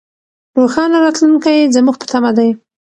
روښانه راتلونکی زموږ په تمه دی.